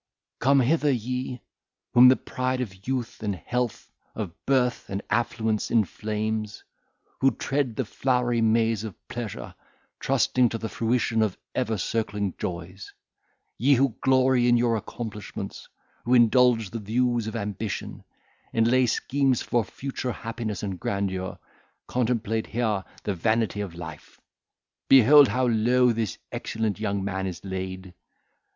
"Come hither, ye whom the pride of youth and health, of birth and affluence inflames, who tread the flowery maze of pleasure, trusting to the fruition of ever circling joys; ye who glory in your accomplishments, who indulge the views of ambition, and lay schemes for future happiness and grandeur, contemplate here the vanity of life! behold how low this excellent young man is laid!